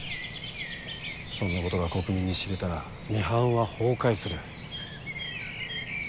そんなことが国民に知れたらミハンは崩壊する。